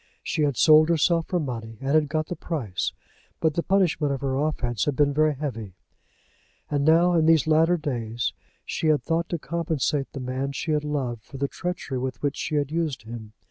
She had sold herself for money, and had got the price; but the punishment of her offence had been very heavy. And now, in these latter days, she had thought to compensate the man she had loved for the treachery with which she had used him.